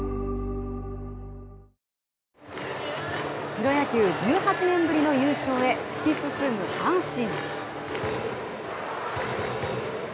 プロ野球、１８年ぶりの優勝へ突き進む阪神。